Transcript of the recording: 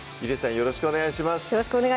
よろしくお願いします